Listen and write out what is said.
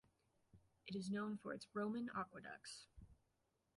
It is known for its Roman aqueducts.